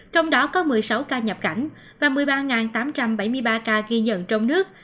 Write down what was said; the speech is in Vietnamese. trong đó có một mươi sáu ca nhập cảnh và một mươi ba tám trăm bảy mươi ba ca ghi nhận trong nước